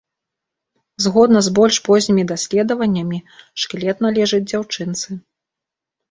Згодна з больш познімі даследаваннямі, шкілет належыць дзяўчынцы.